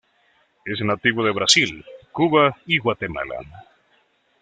Es nativo de Brasil, Cuba y Guatemala.